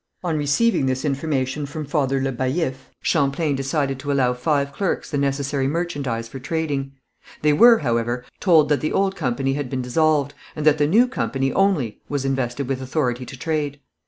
On receiving this information from Father Le Baillif, Champlain decided to allow five clerks the necessary merchandise for trading; they were, however, told that the old company had been dissolved, and that the new company only was invested with authority to trade.